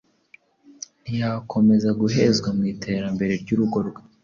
ntiyakomeza guhezwa mu iterambere ry’urugo rwe.